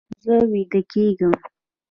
زه ویده کیږم